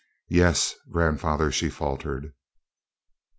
"Yes, Grandfather," she faltered.